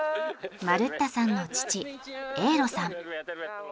マルッタさんの父エーロさん。